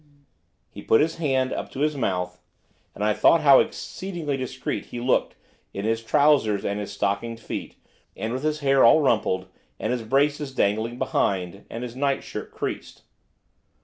He put his hand up to his mouth, and I thought how exceedingly discreet he looked, in his trousers and his stockinged feet, and with his hair all rumpled, and his braces dangling behind, and his nightshirt creased.